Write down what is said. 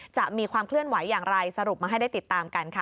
จะมีความเคลื่อนไหวอย่างไรสรุปมาให้ได้ติดตามกันค่ะ